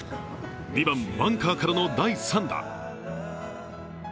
２番、バンカーからの第３打。